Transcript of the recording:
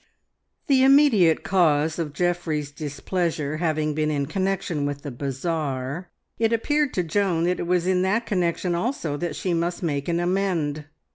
The immediate cause of Geoffrey's displeasure having been in connection with the bazaar, it appeared to Joan that it was in that connection also that she must make an amend.